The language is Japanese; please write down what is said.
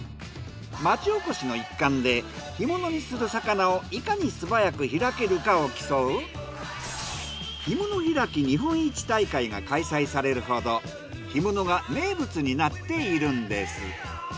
町おこしの一環で干物にする魚をいかに素早く開けるかを競うひもの開き日本一大会が開催されるほど干物が名物になっているんです。